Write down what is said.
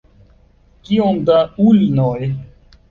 Kiom da ulnoj?